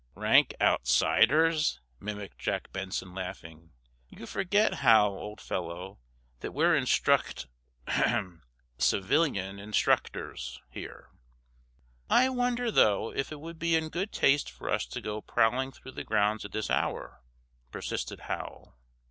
"'Rank outsiders'?" mimicked Jack Benson, laughing. "You forget, Hal, old fellow, that we're instruct—hem! civilian instructors—here." "I wonder, though, if it would be in good taste for us to go prowling through the grounds at this hour?" persisted Hal.